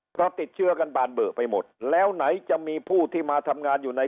เพราะติดเชื้อกันบานเบอร์ไปหมดแล้วไหนจะมีผู้ที่มาทำงานอยู่ใน